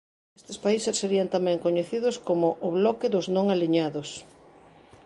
Estes países serían tamén coñecidos como o "bloque dos non aliñados".